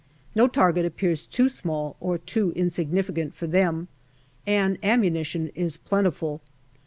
No target appears too small or two insignificant for them, and ammunition is plentiful.